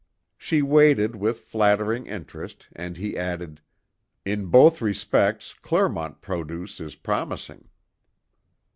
She waited with flattering interest, and he added: "In both respects, Clermont produce is promising."